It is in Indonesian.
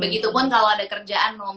begitupun kalau ada kerjaan